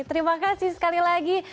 terima kasih sekali lagi